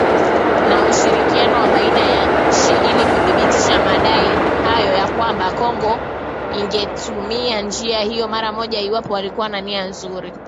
Na ushirikiano wa baina ya nchi ili kuthibitisha madai hayo na kwamba Kongo ingetumia njia hiyo mara moja iwapo walikuwa na nia nzuri.